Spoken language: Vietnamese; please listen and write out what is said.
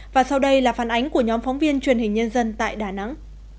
và sau đây là phản ánh của nhóm phóng viên truyền hình nhân dân tại đà nẵng